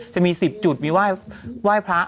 จะมี๑๐จุดมีไหว้พระ